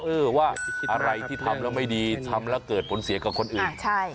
เออว่าอะไรที่ทำแล้วไม่ดีทำแล้วเกิดผลเสียกับคนอื่น